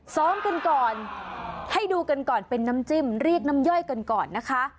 ซ้อมกันก่อนให้ดูกันก่อนเป็นน้ำจิ้มเรียกน้ำย่อยกันก่อนนะคะ